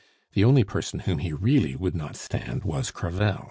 The only person whom he really would not stand was Crevel.